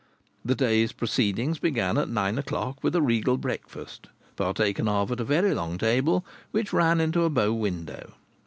The day's proceedings began at nine o'clock with a regal breakfast, partaken of at a very long table which ran into a bow window.